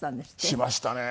しましたね。